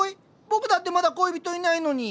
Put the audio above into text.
僕だってまだ恋人いないのに。